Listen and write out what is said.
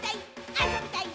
あそびたい！